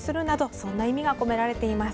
そんな意味が込められています。